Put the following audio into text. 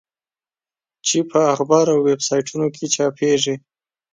چې په اخبار او ویب سایټونو کې چاپېږي.